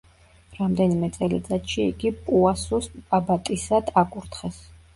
რამდენიმე წელიწადში იგი პუასუს აბატისად აკურთხეს.